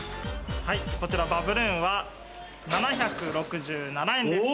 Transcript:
こちらバブルーンは、７６７円です。